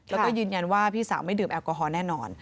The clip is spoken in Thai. แล้วก็ยืนยันว่าพี่สาวไม่ดื่มแอลกอฮอลแน่นอน